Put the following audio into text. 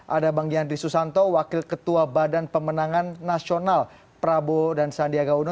ada bang yandri susanto wakil ketua badan pemenangan nasional prabowo dan sandiaga uno